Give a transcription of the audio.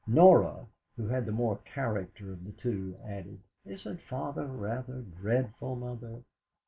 Norah, who had the more character of the two, added: "Isn't Father rather dreadful, Mother?"